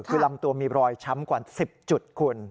คือลำตัวมีรอยช้ำกว่า๑๐จุดคุณ